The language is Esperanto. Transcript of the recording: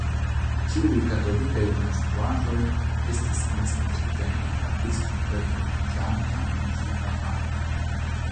Ĉiuj katolikaj konstruaĵoj estis koncentritaj en la pli supre troviĝanta antikva parto.